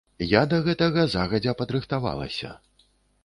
Я да гэтага загадзя падрыхтавалася.